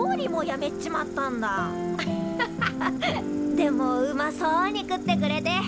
でもうまそうに食ってくれて。